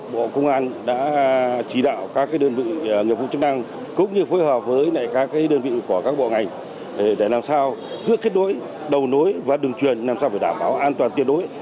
bộ công an đã chỉ đạo các đơn vị nghiệp vụ chức năng cũng như phối hợp với các đơn vị của các bộ ngành để làm sao giữa kết đối đầu nối và đường truyền làm sao phải đảm bảo an toàn tuyệt đối